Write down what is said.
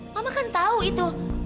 mama kan tahu itu